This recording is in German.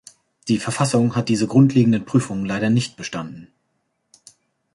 Die Verfassung hat diese grundlegenden Prüfungen leider nicht bestanden.